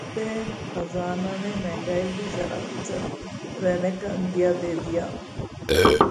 وزارت خزانہ نے مہنگائی کی شرح فیصد رہنے کا عندیہ دے دیا